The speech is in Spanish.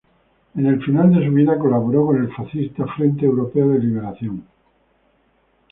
En el final de su vida colaboró con el fascista Frente Europeo de Liberación.